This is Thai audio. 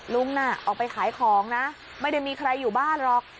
ลุงน่ะออกไปขายของนะไม่ได้มีใครอยู่บ้านหรอก